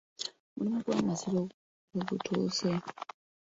Omulimu gw'Amasiro we gutuuse